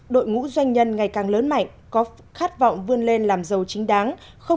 đội ngũ doanh nhân ngày càng lớn mạnh có khát vọng vươn lên làm giàu chính đáng